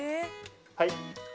はい。